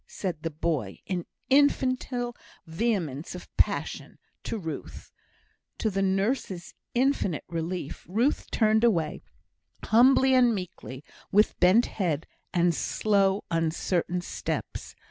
said the boy, in infantile vehemence of passion to Ruth. To the nurse's infinite relief, Ruth turned away, humbly and meekly, with bent head, and slow, uncertain steps.